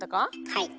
はい。